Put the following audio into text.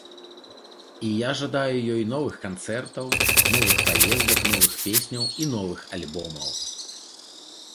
І я жадаю ёй новых канцэртаў, новых паездак, новых песняў і новых альбомаў.